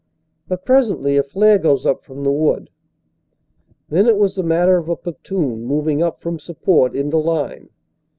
But presently a flare goes up from the wood. Then it was the matter of a platoon, moving up from sup port into line.